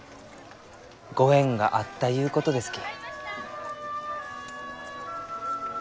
ご縁があったゆうことですき。